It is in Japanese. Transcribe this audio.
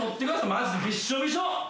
マジでびしょびしょ。